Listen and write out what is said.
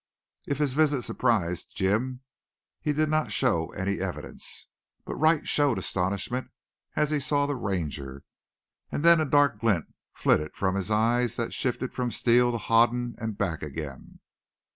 If his visit surprised Jim he did not show any evidence. But Wright showed astonishment as he saw the Ranger, and then a dark glint flitted from the eyes that shifted from Steele to Hoden and back again.